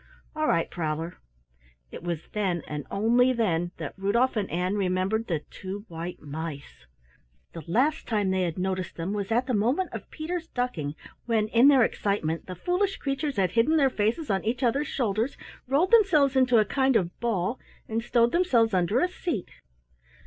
"All right, Prowler." It was then and only then that Rudolf and Ann remembered the two white mice! The last time they had noticed them was at the moment of Peter's ducking when in their excitement, the foolish creatures had hidden their faces on each other's shoulders, rolled themselves into a kind of ball, and stowed themselves under a seat.